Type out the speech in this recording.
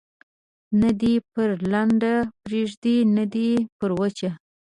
نه دي پر لنده پرېږدي، نه پر وچه.